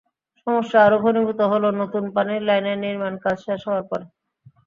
সমস্যা আরও ঘনীভূত হলো নতুন পানির লাইনের নির্মাণকাজ শেষ হওয়ার পর।